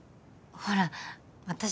ほら私